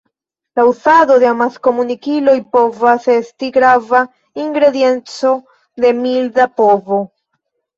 Uzado de amaskomunikiloj povas esti grava ingredienco de milda povo.